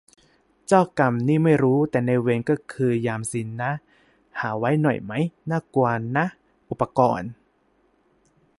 เจ้ากรรม นี่ไม่รู้ แต่ นายเวร ก็คือ ยาม สินะ หาไว้หน่อยมั๊ย ? น่ากลัวนะ อุปกรณ์